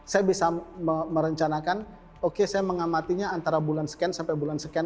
saya bisa merencanakan oke saya mengamatinya antara bulan scan sampai bulan sekian